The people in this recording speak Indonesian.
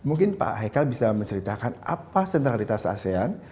mungkin pak haikal bisa menceritakan apa sentralitas asean